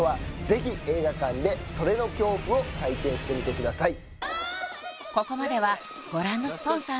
ぜひ映画館で“それ”の恐怖を体験してみてください